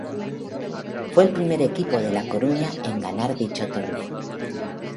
Fue el primer equipo de La Coruña en ganar dicho torneo.